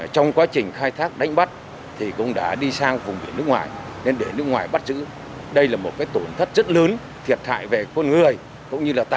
sau khi chịu phạt tài sản bị tịch thu xâm phạm lãnh hại của nước họ